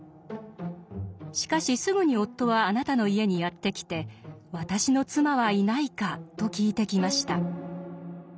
しかしすぐに夫はあなたの家にやって来て「私の妻はいないか」と聞いてきました。